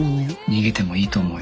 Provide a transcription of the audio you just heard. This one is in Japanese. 逃げてもいいと思うよ。